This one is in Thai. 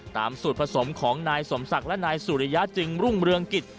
ตามสวัสดิ์สมของไนซมศักดิ์ดึงและนายสุริยาจิงรุงเรืองกิจ